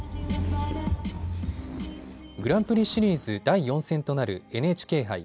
グランプリシリーズ第４戦となるＮＨＫ杯。